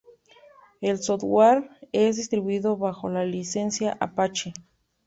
El software es distribuido bajo la licencia Apache.